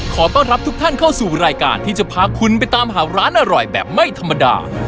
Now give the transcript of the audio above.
ขอต้อนรับทุกท่านเข้าสู่รายการที่จะพาคุณไปตามหาร้านอร่อยแบบไม่ธรรมดา